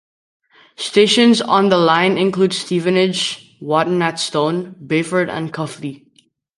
Stations on the line include Stevenage, Watton-at-Stone, Bayford and Cuffley.